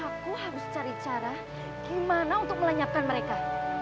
aku harus cari cara gimana untuk melenyapkan mereka